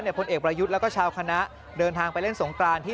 พลเอกประยุทธ์แล้วก็ชาวคณะเดินทางไปเล่นสงกรานที่